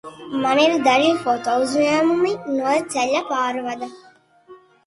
Man ir daži fotouzņēmumi no ceļa pārvada.